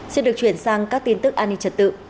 xin được chuyển sang các tin tức an ninh trật tự